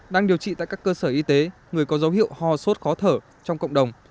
đang điều trị tại các cơ sở y tế người có dấu hiệu ho sốt khó thở trong cộng đồng